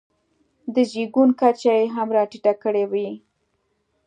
د زېږون کچه یې هم راټیټه کړې وي.